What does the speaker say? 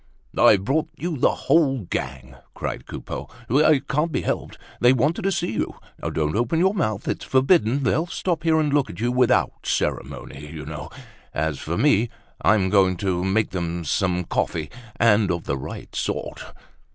"I've brought you the whole gang!" cried Coupeau. "It can't be helped! They wanted to see you. Don't open your mouth, it's forbidden. They'll stop here and look at you without ceremony, you know. As for me, I'm going to make them some coffee, and of the right sort!"